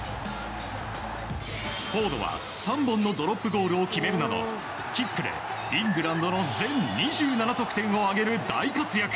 フォードは３本のドロップゴールを決めるなどキックでイングランドの全２７得点を挙げる大活躍。